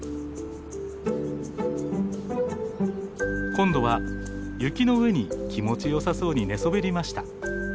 今度は雪の上に気持ちよさそうに寝そべりました。